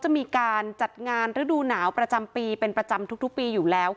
มีการจำงานฤดูหนาวประจำปีประจำทุกนี้อยู่แล้ว